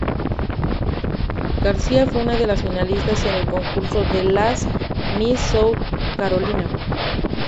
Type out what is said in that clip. García fue una de las finalistas en el concurso de las "Miss South Carolina".